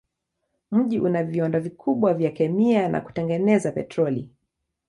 Mji una viwanda vikubwa vya kemia na kutengeneza petroli.